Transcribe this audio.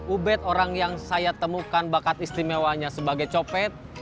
ubed orang yang saya temukan bakat istimewanya sebagai copet